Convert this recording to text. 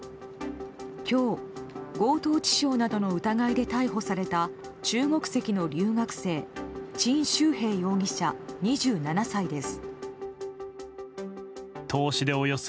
今日、強盗致傷などの疑いで逮捕された中国籍の留学生チン・シュウヘイ容疑者２７歳です。